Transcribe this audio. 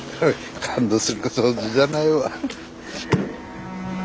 感動するほどじゃないわ。